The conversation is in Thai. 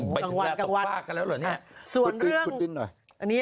อ๋อไปถึงเวลาตกฟากกันแล้วเหรอเนี่ยส่วนเรื่องขึ้นหน่อย